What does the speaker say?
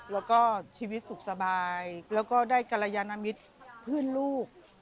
แล้วก็ชีวิตสุขสบายแล้วก็ได้กรยานมิตรเพื่อนลูก